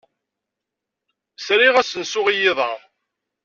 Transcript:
Sriɣ asensu i yiḍ-a.